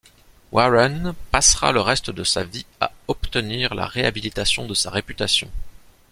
Warren passera le reste de sa vie à obtenir la réhabilitation de sa réputation.